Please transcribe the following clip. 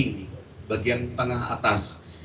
di bagian tengah atas